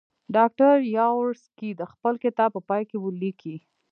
ډاکټر یاورسکي د خپل کتاب په پای کې لیکي.